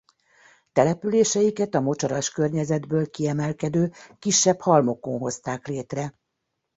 Településeiket a mocsaras környezetből kiemelkedő kisebb halmokon hozták létre.